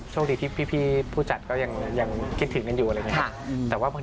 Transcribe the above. คุณผู้ชมไม่เจนเลยค่ะถ้าลูกคุณออกมาได้มั้ยคะ